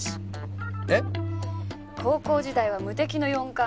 高校時代は無敵の４冠。